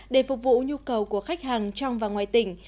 để phục vụ nhu cầu của khách hàng trong và ngoài tỉnh